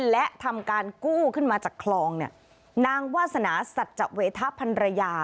และทำการกู้ขึ้นมาจากคลองเนี่ยนางวาสนาสัจเวทะพันรยา